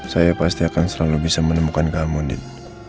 saya pasti akan selalu bisa menemukan kamu din